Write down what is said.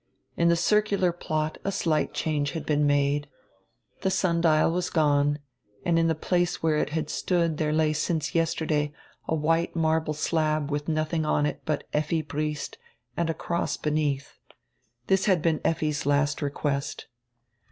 In the circular plot a slight change had been made. The sundial was gone and in the place where it had stood there lay since yester day a white marble slab with nothing on it but "Effi Briest" and a cross beneath. This had been Effi's last request.